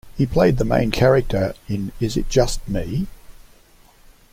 He played the main character in Is It Just Me?